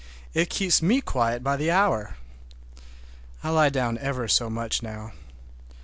It keeps me quiet by the hour. I lie down ever so much now.